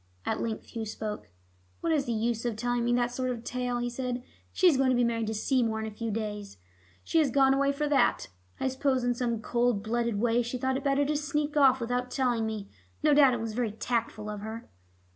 At length Hugh spoke. "What is the use of telling me that sort of tale?" he said. "She is going to be married to Seymour in a few days. She has gone away for that. I suppose in some cold blooded way she thought it better to sneak off without telling me. No doubt it was very tactful of her."